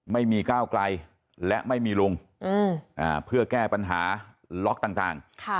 ไม่มีก้าวไกลและไม่มีลุงเพื่อแก้ปัญหาล็อกต่าง